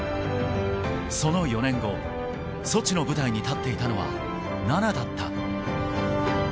その４年後、ソチの舞台に立っていたのは菜那だった。